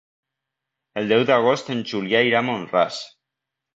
El deu d'agost en Julià irà a Mont-ras.